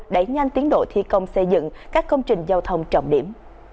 để nâng nhanh tiến độ thi công xây dựng các công trình giao thông trọng điểm